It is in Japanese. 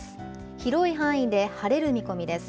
広い範囲で晴れる見込みです。